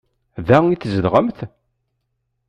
Da i tzedɣemt?